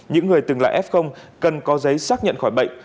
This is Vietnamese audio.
những người từng là f cần có giấy xác nhận khỏi bệnh